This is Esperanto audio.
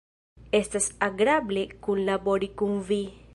Estas agrable kunlabori kun vi.